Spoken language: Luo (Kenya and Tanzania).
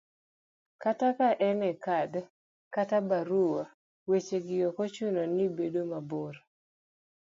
kata ka en e kad kata barua, weche gi ok ochuno ni bedo mabor